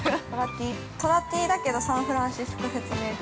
◆虎Ｔだけどサンフランシスコ説明Ｔ。